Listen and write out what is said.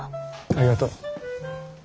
ありがとう。